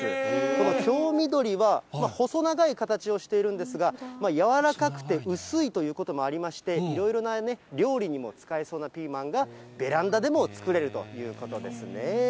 この京みどりは、細長い形をしているんですが、やわらかくて薄いということもありまして、いろいろな料理にも使えそうなピーマンが、ベランダでも作れるということですね。